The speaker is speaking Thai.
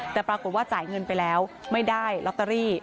แต่ปรากฏว่าจ่ายเงินไปแล้วไม่ได้ลอตเตอรี่